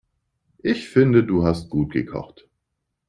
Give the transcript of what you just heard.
Ich finde du hast gut gekocht.